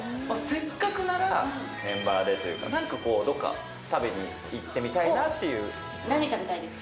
せっかくなら、メンバーでというか、なんかどこか、食べに行ってみたいなってい何食べたいですか？